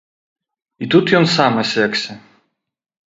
І тут ён сам асекся.